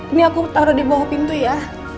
ini aku taruh di bawah pintu ya